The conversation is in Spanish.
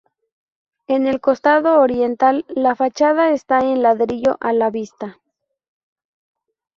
En el costado oriental, la fachada está en ladrillo a la vista.